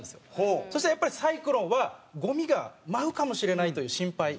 そしたら、サイクロンは、ゴミが舞うかもしれないという心配。